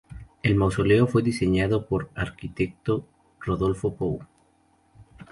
El Mausoleo fue diseñado por Arquitecto Rodolfo Pou.